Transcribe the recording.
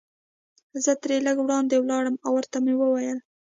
زه ترې لږ وړاندې ولاړم او ورته مې وویل.